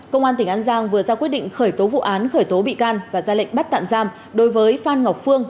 công an tỉnh an giang vừa ra quyết định khởi tố vụ án khởi tố bị can và ra lệnh bắt tạm giam đối với phan ngọc phương